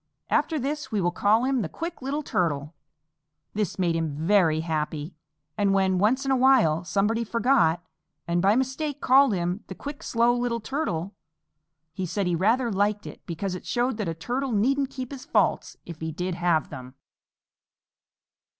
"After this we will call him 'The Quick Little Turtle.'" This made him very happy, and when, once in a while, somebody forgot and by mistake called him "The Quick Slow Little Turtle," he said he rather liked it because it showed that a Turtle needn't keep his faults if he did have them.